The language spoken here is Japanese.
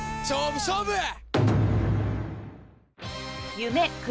勝負勝負！